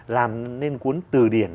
làm nên cuốn từ điển